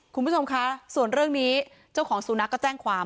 คุณผู้ชมคะส่วนเรื่องนี้เจ้าของสุนัขก็แจ้งความ